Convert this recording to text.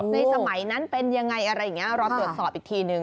ในสมัยนั้นเป็นอย่างไรหรืออะไรรอตรวจสอบอีกทีหนึ่ง